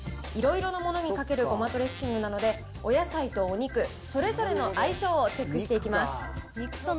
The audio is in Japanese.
いろいろなものにかけるごまドレッシングなので、お野菜とお肉、それぞれの相性をチェックしていきます。